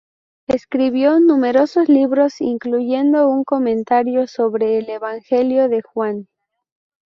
Escribió numerosos libros, incluyendo un comentario sobre el Evangelio de Juan.